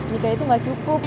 nikah itu gak cukup